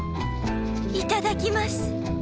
いただきます。